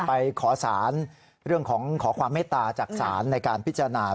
ไปขอสารเรื่องของขอความเมตตาจากศาลในการพิจารณา